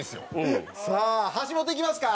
さあ橋本いきますか。